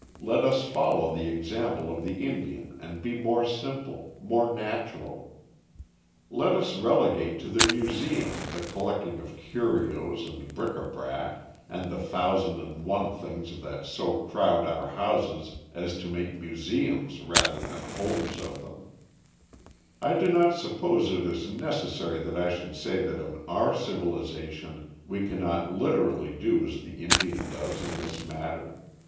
Let us follow the example of the Indian and be more simple, more natural. Let us relegate to the museum the collecting of curios and bric a brac and the thousand and one things that so crowd our houses as to make museums rather than homes of them. [Illustration: A MOHAVE WOMAN WHOSE HAIR HAS BEEN "DRESSED" IN MUD.] I do not suppose it is necessary that I should say that in our civilization we cannot literally do as the Indian does in this matter.